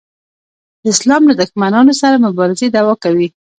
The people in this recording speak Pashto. د اسلام له دښمنانو سره مبارزې دعوا کوي.